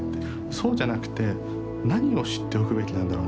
そうじゃなくて何を知っておくべきなんだろう。